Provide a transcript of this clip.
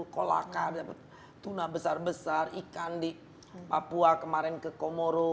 kolaka dapat tuna besar besar ikan di papua kemarin ke komoro